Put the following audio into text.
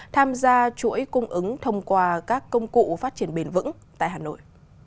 tham gia chuỗi cung ứng thông qua các công cụ phát triển bền vững tại hà nội